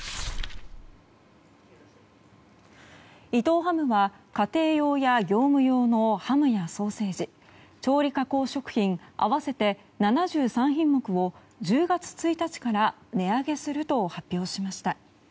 伊藤ハムが、家庭用や業務用のハムやソーセージ調理加工食品合わせて７３品目を１０月１日から値上げすると発表しました。